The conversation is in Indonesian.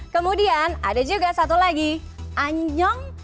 kemudian ada juga satu lagi anyong